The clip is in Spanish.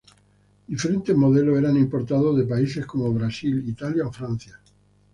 Diferentes modelos eran importados de países como Brasil, Italia o Francia.